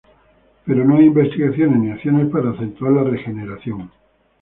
Pero no hay investigaciones ni acciones para acentuar la regeneración.